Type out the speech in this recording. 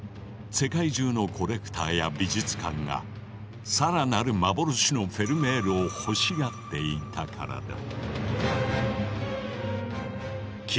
世界中のコレクターや美術館が更なる「幻のフェルメール」を欲しがっていたからだ。